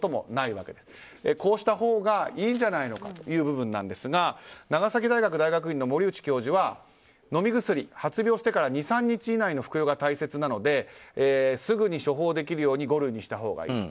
こうしたほうがいいんじゃないのかという部分ですが長崎大学大学院の森内教授は飲み薬は発病してから２３日以内の服用が大切なのですぐに処方できるように五類にしたほうがいい。